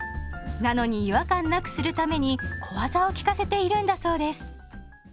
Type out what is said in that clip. なのに違和感なくするために小技を利かせているんだそうです。